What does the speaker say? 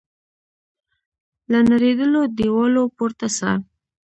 له نړېدلو دیوالو پورته سه